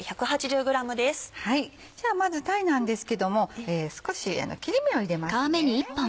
じゃあまず鯛なんですけども少し切れ目を入れますね。